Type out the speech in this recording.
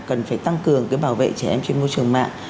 cần phải tăng cường cái bảo vệ trẻ em trên môi trường mạng